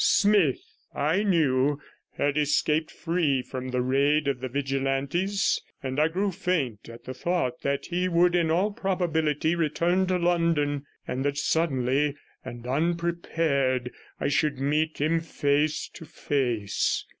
Smith, I knew, had escaped free from the raid of the Vigilantes, and I grew faint at the thought that he would in all probability return to London, and that suddenly and unprepared I should meet him face to face.